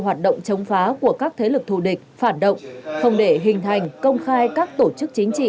hoạt động chống phá của các thế lực thù địch phản động không để hình thành công khai các tổ chức chính trị